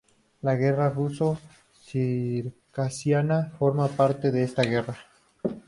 La Guerra Ruso-Circasiana forma parte de esta guerra.